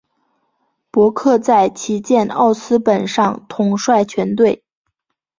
伯克在旗舰奥斯本上统帅全队。